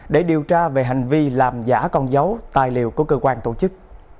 để điều tra về hành vi làm giả con dấu tài liệu của cơ quan tổ chức